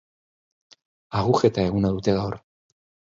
Agujeta eguna dute gaur.